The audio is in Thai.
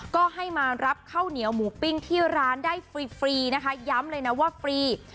ก็ให้มารับข้าวเหนียวหมูปิ้งที่ร้านได้ฟรีนะคะย้ำเลยนะว่าฟรี